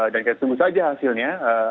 dan kita tunggu saja hasilnya